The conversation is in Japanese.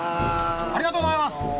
ありがとうございます。